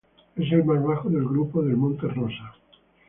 Es el más bajo del grupo del monte Rosa.